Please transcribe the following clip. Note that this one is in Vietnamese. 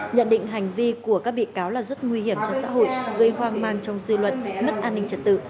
nhận định hành vi của các bị cáo là rất nguy hiểm cho xã hội gây hoang mang trong dư luận mất an ninh trật tự